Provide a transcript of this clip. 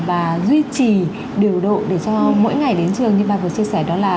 và duy trì điều độ để cho mỗi ngày đến trường như bà vừa chia sẻ đó là